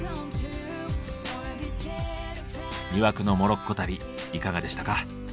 魅惑のモロッコ旅いかがでしたか。